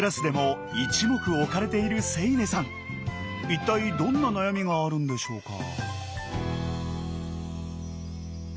一体どんな悩みがあるんでしょうか。